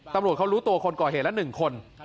ตำรวจเขารู้ตัวคนก่อเหตุละ๑คน